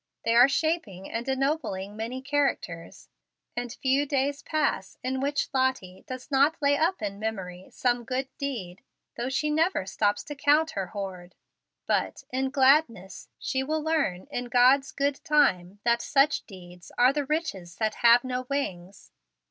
They are shaping and ennobling many characters, and few days pass in which Lottie does not lay up in memory some good deed, though she never stops to count her hoard. But, in gladness, she will learn in God's good time that such deeds are the riches that have no wings.